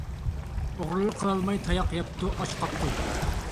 ئوغرىلىق قىلالماي تاياق يەپتۇ، ئاچ قاپتۇ.